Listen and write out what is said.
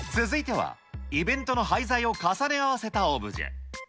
続いては、イベントの廃材を重ね合わせたオブジェ。